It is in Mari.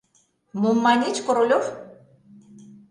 Мом маньыч, Королёв?